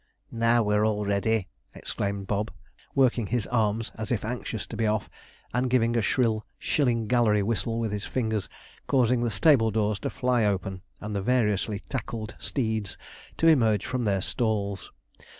"Now we're all ready!" exclaimed Bob, working his arms as if anxious to be off, and giving a shrill shilling gallery whistle with his fingers, causing the stable doors to fly open, and the variously tackled steeds to emerge from their stalls.